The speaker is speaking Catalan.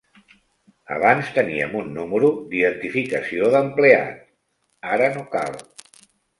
Abans teníem un número d'identificació d'empleat, ara no cal.